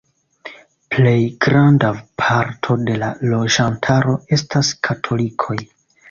Plej granda parto de la loĝantaro estas katolikoj.